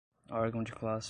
órgão de classe